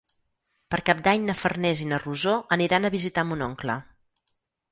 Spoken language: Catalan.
Per Cap d'Any na Farners i na Rosó aniran a visitar mon oncle.